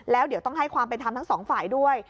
แล้วเดี๋ยวต้องให้ความเป็นธรรมทั้งสองฝ่ายด้วย